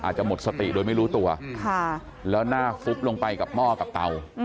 อาจจะหมดสติโดยไม่รู้ตัวแล้วหน้าฟุบลงไปกับหม้อกับเตา